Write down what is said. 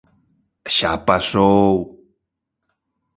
¡Xa pasou!